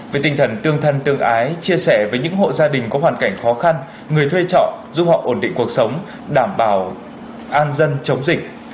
với tinh thần tương thân tương ái chia sẻ với những hộ gia đình có hoàn cảnh khó khăn người thuê trọ giúp họ ổn định cuộc sống đảm bảo an dân chống dịch